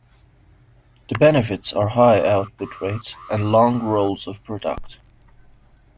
The benefits are high output rates and long rolls of product.